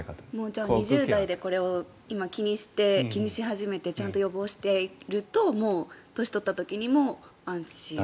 じゃあ２０代でこれを今、気にし始めてちゃんと予防していると年を取った時にも安心。